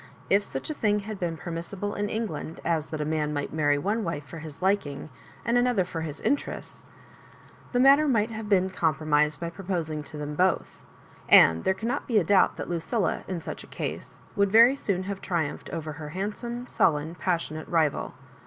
If such a thing had been permissible in England as that a man might marry one wife for his liking and another for his interests, the matter might have been compromised by proposing to them both ; and there cannot be a doubt that Lucilla, in such a case, would very soon have triumphed over her handsome, sullen, passionate rival.